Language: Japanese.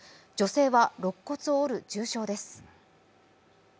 女性はろっ骨を折る重傷です。